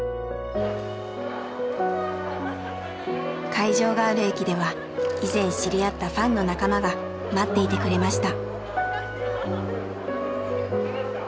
会場がある駅では以前知り合ったファンの仲間が待っていてくれました。